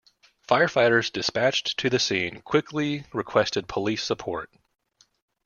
Firefighters dispatched to the scene quickly requested police support.